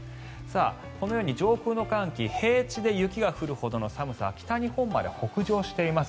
このように上空の寒気平地で雪が降るほどの寒さが北日本まで北上しています。